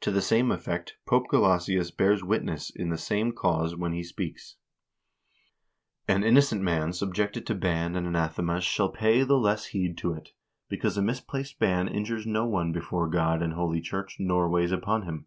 "To the same effect Pope Gelasius bears witness in the same cause when he speaks :' An innocent man subjected to ban and anathemas shall pay the less KING SVERRE AND POPE INNOCENT III 401 heed to it, because a misplaced ban injures no one before God and holy church, nor weighs upon him.